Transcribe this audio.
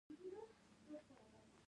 د غزني په ګیرو کې د لیتیم نښې شته.